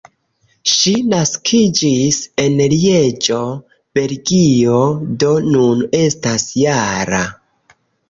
Ŝi naskiĝis en Lieĝo, Belgio, do nun estas -jara.